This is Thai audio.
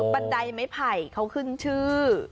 บันไดไม้ไผ่เขาขึ้นชื่อ